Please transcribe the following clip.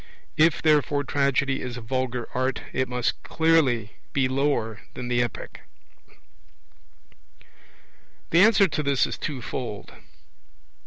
If, therefore, Tragedy is a vulgar art, it must clearly be lower than the Epic. The answer to this is twofold.